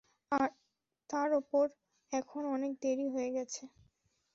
তার ওপর, এখন অনেক দেরি হয়ে গেছে।